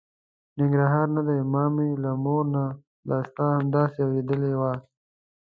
ننګرهار نه دی، ما مې له مور نه دا ستا همداسې اورېدې وه.